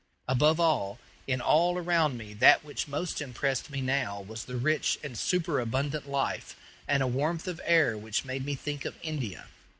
Above all, in all around me that which most impressed me now was the rich and superabundant life, and a warmth of air which made me think of India.